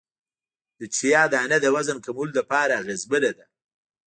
د چیا دانه د وزن کمولو لپاره اغیزمنه ده